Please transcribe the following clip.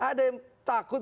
ada yang takut